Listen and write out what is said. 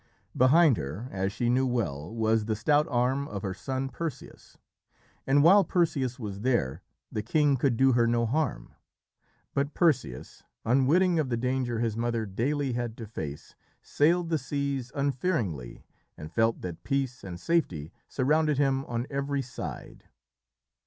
Behind her, as she knew well, was the stout arm of her son Perseus, and while Perseus was there, the king could do her no harm. But Perseus, unwitting of the danger his mother daily had to face, sailed the seas unfearingly, and felt that peace and safety surrounded him on every side.